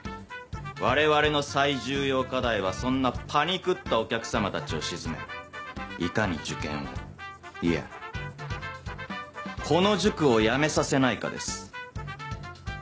我々の最重要課題はそんなパニクったお客様たちを鎮めいかに受験をいやこの塾をやめさせないかです。